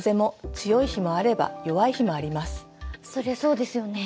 そりゃそうですよね。